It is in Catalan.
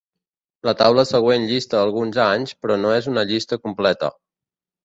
La taula següent llista alguns anys, però no és una llista completa.